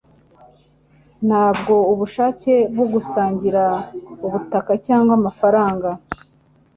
Ntabwo ubushake bwo gusangira ubutaka cyangwa amafaranga